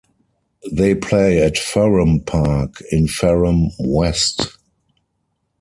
They play at Farum Park, in Farum West.